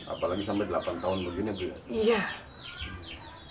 apalagi sampai delapan tahun begini bu